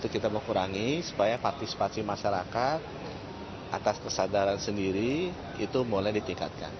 kepartisipasi masyarakat atas kesadaran sendiri itu mulai ditingkatkan